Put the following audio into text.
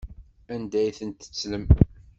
Anda ay tent-tettlem?